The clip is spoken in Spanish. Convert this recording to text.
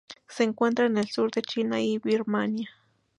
Se encuentra en el sur de China y Birmania.